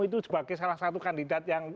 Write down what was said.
itu sebagai salah satu kandidat yang